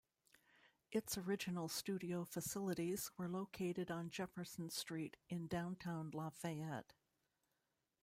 Its original studio facilities were located on Jefferson Street in downtown Lafayette.